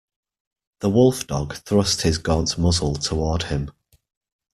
The wolf-dog thrust his gaunt muzzle toward him.